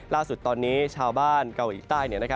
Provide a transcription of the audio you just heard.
ล่าสุดตอนนี้ชาวบ้านเกาหลีใต้